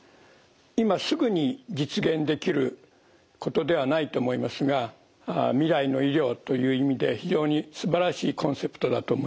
今すぐに実現できることではないと思いますが未来の医療という意味で非常にすばらしいコンセプトだと思います。